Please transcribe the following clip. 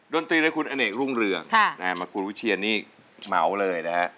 นตรีเลยคุณอเนกรุ่งเรืองมาคุณวิเชียนนี่เหมาเลยนะฮะ